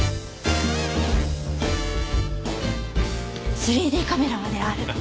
３Ｄカメラまである。